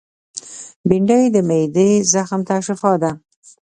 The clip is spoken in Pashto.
بېنډۍ د معدې زخم ته شفاء ده